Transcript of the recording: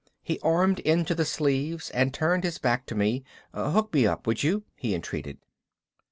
He armed into the sleeves and turned his back to me. "Hook me up, would you?" he entreated.